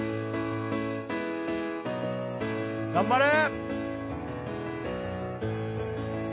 ・頑張れ！